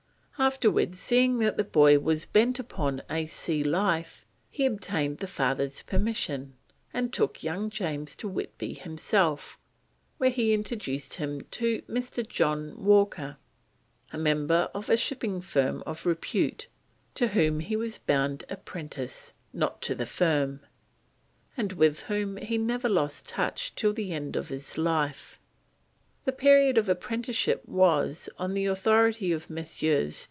Afterwards, seeing that the boy was bent upon a sea life, he obtained the father's permission, and took young James to Whitby himself, where he introduced him to Mr. John Walker, a member of a shipping firm of repute, to whom he was bound apprentice (not to the firm), and with whom he never lost touch till the end of his life. The period of apprenticeship was, on the authority of Messrs.